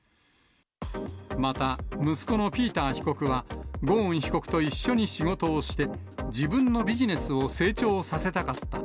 また、息子のピーター被告は、ゴーン被告と一緒に仕事をして、自分のビジネスを成長させたかった。